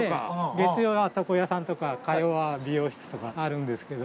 月曜は床屋さんとか火曜は美容室とかあるんですけど。